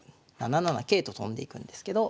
７七桂と跳んでいくんですけど。